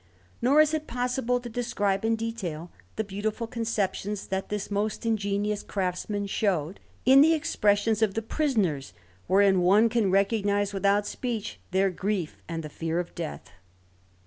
Nor is it possible to describe in detail the beautiful conceptions that this most ingenious craftsman showed in the expressions of the prisoners, wherein one can recognize, without speech, their grief and the fear of death.